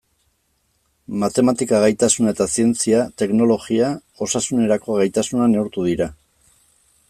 Matematika gaitasuna eta zientzia, teknologia, osasunerako gaitasuna neurtu dira.